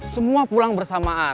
semua pulang bersamaan